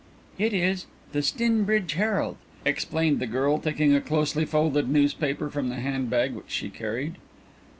"It is The Stinbridge Herald," explained the girl, taking a closely folded newspaper from the handbag which she carried.